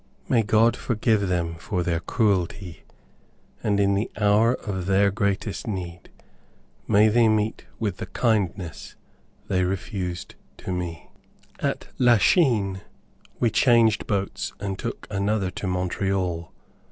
May God forgive them for their cruelty, and in the hour of their greatest need, may they meet with the kindness they refused to me. At Lachine we changed boats and took another to Montreal.